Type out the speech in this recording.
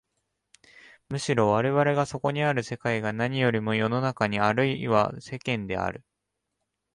むしろ我々がそこにある世界は何よりも世の中あるいは世間である。